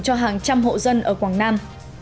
cho hàng trăm hộ dân ở quảng nam